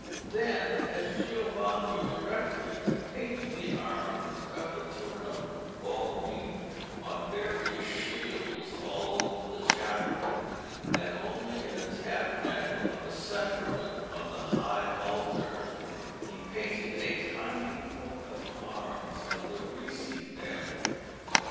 Then, as Giovanni directed, he painted the arms of the Tournabuoni on various shields all over the chapel, and only in the tabernacle of the sacrament on the high altar he painted a tiny coat of arms of the Ricci family.